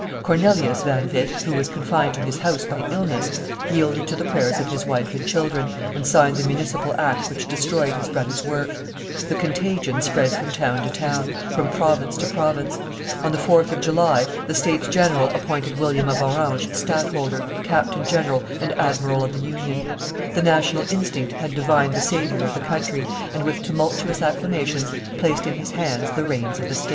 Cornelius van Witt, who was confined to his house by illness, yielded to the prayers of his wife and children, and signed the municipal act which destroyed his brother's work; the contagion spread from town to town, from province to province; on the 4th of July the States General appointed William of Orange stadtholder, captain general, and admiral of the Union; the national instinct had divined the savior of the country, and with tumultuous acclamations placed in his hands the reins of the state.